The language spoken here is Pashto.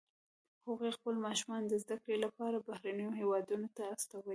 هغوی خپل ماشومان د زده کړې لپاره بهرنیو هیوادونو ته استولي دي